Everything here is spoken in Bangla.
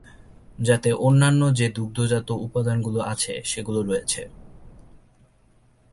যাতে অন্যান্য যে দুগ্ধজাত উপাদানগুলো আছে সেগুলো রয়েছে।